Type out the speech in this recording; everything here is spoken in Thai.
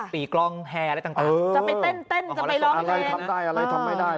ปีกล้องแฮอะไรต่างต่างเออจะไปเต้นเต้นจะไปร้องเต้นอะไรทำได้อะไรทำไม่ได้